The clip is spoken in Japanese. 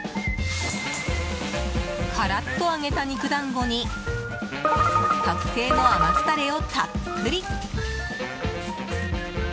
からっと揚げた肉団子に特製の甘酢タレをたっぷり。